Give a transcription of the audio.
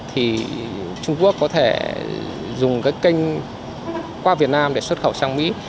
thì trung quốc có thể dùng cái kênh qua việt nam để xuất khẩu sang mỹ